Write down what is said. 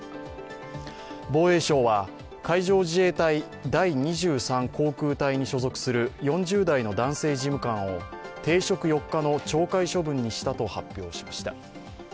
防衛省は、海上自衛隊第２３航空隊に所属する４０代の男性事務官を停職４日の懲戒処分にしたと発表しました。